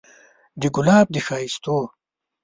د ګلاب د ښايستو